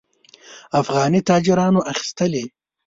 افغاني تاجرانو اخیستلې.